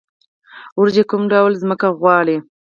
وریجې کوم ډول ځمکه غواړي؟